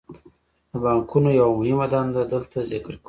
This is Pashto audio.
د بانکونو یوه مهمه دنده دلته ذکر کوو